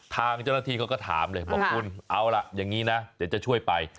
ทางเจ้าหน้าที่เขาก็ถามเลยบอกคุณเอาล่ะอย่างนี้นะเดี๋ยวจะช่วยไป